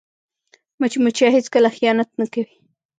مچمچۍ هیڅکله خیانت نه کوي